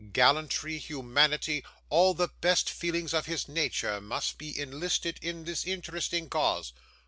Gallantry, humanity, all the best feelings of his nature, must be enlisted in this interesting cause.